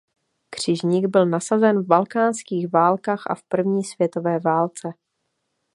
Křižník byl nasazen v balkánských válkách a v první světové válce.